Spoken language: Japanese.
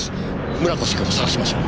村越君を捜しましょう。